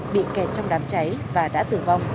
bị kẹt trong đám cháy và đã tử vong